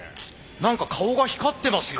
何か顔が光ってますよ